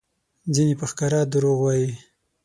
ځینې په ښکاره دروغ وایي؛